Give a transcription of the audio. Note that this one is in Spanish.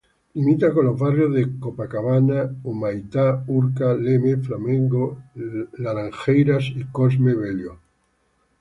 Limita con los barrios de Copacabana, Humaitá, Urca, Leme, Flamengo, Laranjeiras y Cosme Velho.